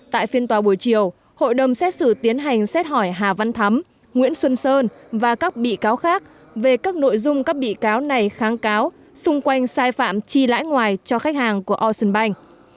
tại phiên tòa buổi chiều hội đồng xét xử tiến hành xét hỏi hà văn thắm nguyễn xuân sơn và các bị cáo khác về các nội dung các bị cáo này kháng cáo xung quanh sai phạm chi lãi ngoài cho khách hàng của ocean bank